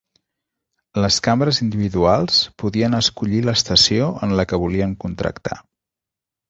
Les cambres individuals podien escollir l'estació en la que volien contractar.